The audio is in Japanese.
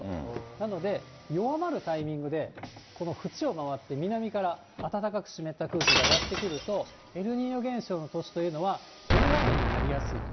なので、弱まるタイミングで、このふちを回って、南から暖かく湿った空気がやって来ると、エルニーニョ現象の年というのは、大雨になりやすい。